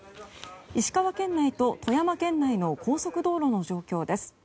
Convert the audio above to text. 石川県内と富山県内の高速道路の状況です。